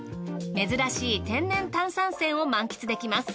珍しい天然炭酸泉を満喫できます。